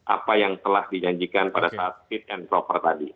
apa yang telah dijanjikan pada saat fit and proper tadi